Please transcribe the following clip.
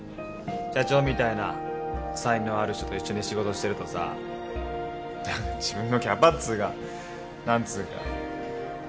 社長みたいな才能ある人と一緒に仕事してるとさ自分のキャパっつうか何つうか。